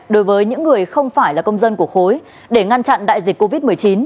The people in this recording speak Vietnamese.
đối với những người không phải là công dân của khối để ngăn chặn đại dịch covid một mươi chín